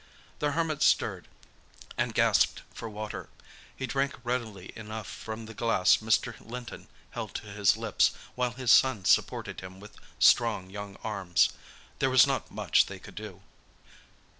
The Hermit stirred, and gasped for water. He drank readily enough from the glass Mr. Linton held to his lips, while his son supported him with strong young arms. There was not much they could do.